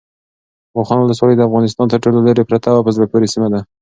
واخان ولسوالۍ د افغانستان تر ټولو لیرې پرته او په زړه پورې سیمه ده.